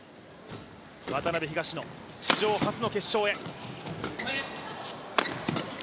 渡辺・東野、史上初の決勝へ。